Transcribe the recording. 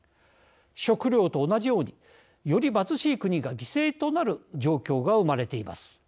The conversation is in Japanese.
食料と同じようにより貧しい国が犠牲となる状況が生まれています。